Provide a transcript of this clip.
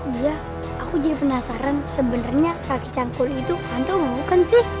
iya aku jadi penasaran sebenarnya kakek cangkul itu hantu mau kan sih